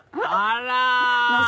あら！